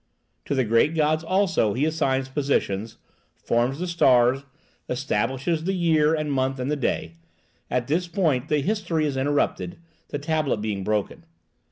To the great gods also he assigns positions, forms the stars, establishes the year and month and the day. At this point the history is interrupted, the tablet being broken.